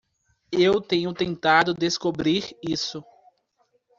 Eu tenho tentado descobrir isso.